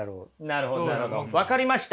なるほどなるほど分かりました。